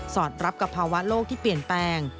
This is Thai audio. อดรับกับภาวะโลกที่เปลี่ยนแปลง